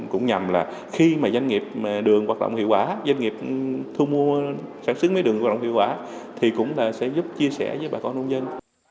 cũng nhằm là khi doanh nghiệp đường hoạt động hiệu quả doanh nghiệp thu mua sản xuất mía đường hoạt động hiệu quả thì cũng sẽ giúp chia sẻ với bà con nông dân